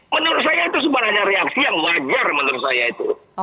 menurut saya itu sebenarnya reaksi yang wajar menurut saya itu